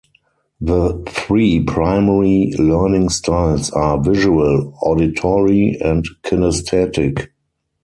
The three primary learning styles are visual, auditory, and kinesthetic.